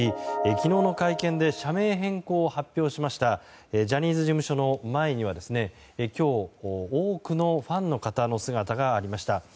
昨日の会見で社名変更を発表しましたジャニーズ事務所の前には今日、多くのファンの方の姿がありました。